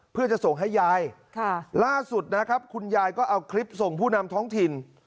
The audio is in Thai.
เพื่อจะส่งให้ยายล่าสุดนะครับคุณยายก็เอาคลิปส่งผู้นำท้องถิ่น